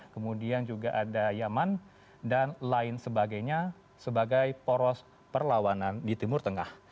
kemudian juga ada yaman dan lain sebagainya sebagai poros perlawanan di timur tengah